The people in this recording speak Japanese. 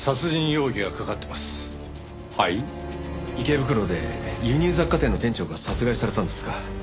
池袋で輸入雑貨店の店長が殺害されたんですが。